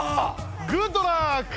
グッドラック！